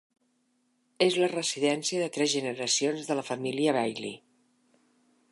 És la residència de tres generacions de la família Bailly.